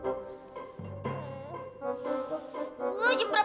apaan suar tembak